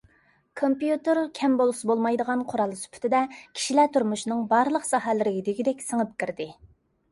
كومپيۇتېر كەم بولسا بولمايدىغان قورال سۈپىتىدە، كىشىلەر تۇرمۇشىنىڭ بارلىق ساھەلىرىگە دېگۈدەك سىڭىپ كىردى.